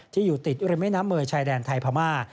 ที่อยู่ติดริมแม่น้ำเมย์ชายแดนไทยพม่า